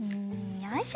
よいしょ！